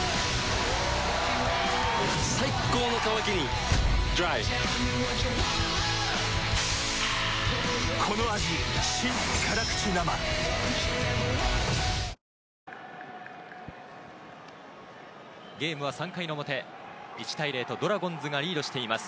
最高の渇きにＤＲＹゲームは３回の表、１対０とドラゴンズがリードしています。